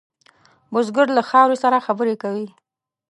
بزګر له خاورې سره خبرې کوي